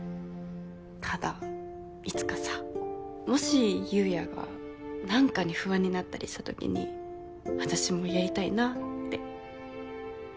ただいつかさもし裕也が何かに不安になったりしたときに私もやりたいなって。